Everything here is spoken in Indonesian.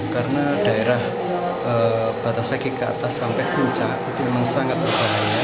karena daerah batas fakir ke atas sampai puncak itu memang sangat berbahaya